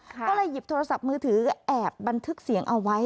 ก็เลยหยิบโทรศัพท์มือถือแอบบันทึกเสียงเอาไว้